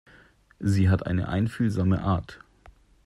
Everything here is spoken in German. Sie hat eine einfühlsame Art.